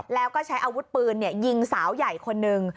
แล้วก็ใช้อาวุธปืนยิงสาวใหญ่คนหนึ่ง